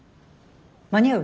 間に合う？